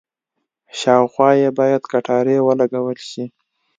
شاوخوا یې باید کټارې ولګول شي.